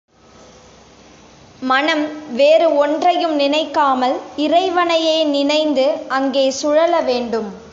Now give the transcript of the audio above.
மனம் வேறு ஒன்றையும் நினைக்காமல் இறைவனையே நினைந்து அங்கே சுழல வேண்டும்.